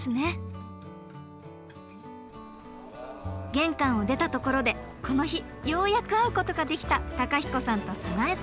玄関を出たところでこの日ようやく会うことができた公彦さんと早苗さん。